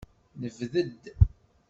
Nebded.